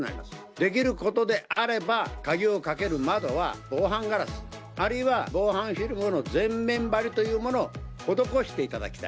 できることであれば、鍵をかける窓は防犯ガラス、あるいは防犯フィルムの全面貼りというものを施していただきたい。